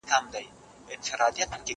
زه کښېناستل کړي دي!